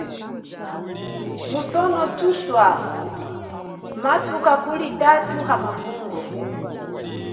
Musono thuswa mathuka kuli athu amavungo.